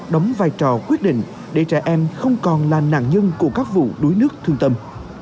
đóng vai trò quyết định để trẻ em không còn là nạn nhân của các vụ đuối nước thương tâm